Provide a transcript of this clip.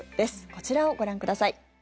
こちらをご覧ください。